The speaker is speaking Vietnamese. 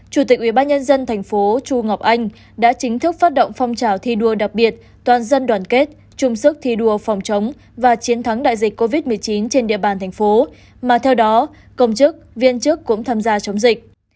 chủ tịch ubnd tp chu ngọc anh đã chính thức phát động phong trào thi đua đặc biệt toàn dân đoàn kết chung sức thi đua phòng chống và chiến thắng đại dịch covid một mươi chín trên địa bàn thành phố mà theo đó công chức viên chức cũng tham gia chống dịch